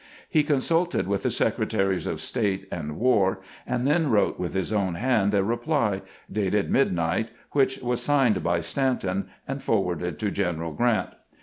He consulted with the Secretaries of State and War, and then wrote with his own hand a reply, dated midnight, which was signed by Stanton, and forwarded to Greneral Grant.